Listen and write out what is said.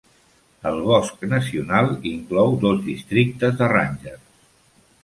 El bosc nacional inclou dos districtes de rangers.